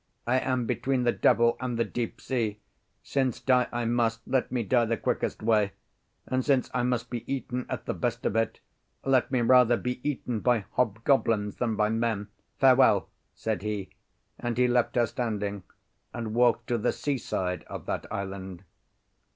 "I am between the devil and the deep sea. Since die I must, let me die the quickest way; and since I must be eaten at the best of it, let me rather be eaten by hobgoblins than by men. Farewell," said he, and he left her standing, and walked to the sea side of that island.